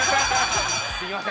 ◆すいません。